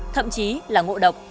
thậm chí là ngộ độc